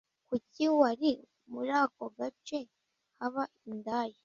Kuki wari muri ako gace haba indaya?